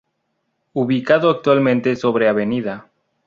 Ubicado actualmente sobre Av.